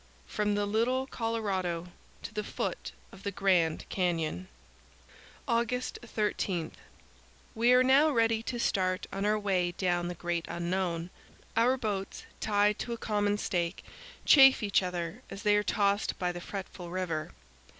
FROM THE LITTLE COLORADO TO THE FOOT OF THE GRAND CANYON. AUGUST 13. We are now ready to start on our way down the Great Unknown. Our boats, tied to a common, stake, chafe each other as they are tossed by the fretful river.